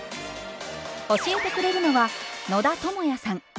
教えてくれるのは野田智也さん。